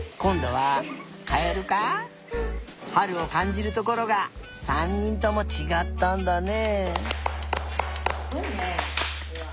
はるをかんじるところが３にんともちがったんだね。